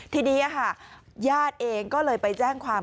ทีนี้ค่ะญาติเองก็เลยไปแจ้งความ